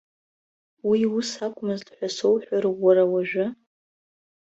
Уи ус акәмызт ҳәа соуҳәару уара уажәы?